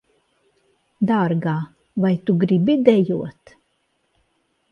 Dārgā, vai tu gribi dejot?